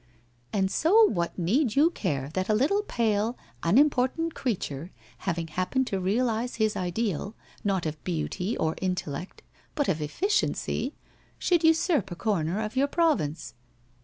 ' And so what need you care, that a little pale, unimpor tant creature, having happened to realize his ideal, not of beauty or intellect, but of efficiency, should usurp a corner of your province?